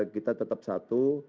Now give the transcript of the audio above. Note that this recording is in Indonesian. kita tetap satu